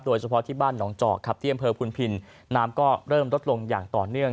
โดยเฉพาะที่บ้านหนองจอกครับที่อำเภอพุนพินน้ำก็เริ่มลดลงอย่างต่อเนื่อง